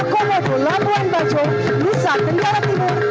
jalan jalan timur telah diresmikan